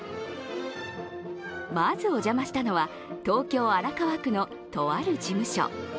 まずお邪魔したのは東京・荒川区のとある事務所。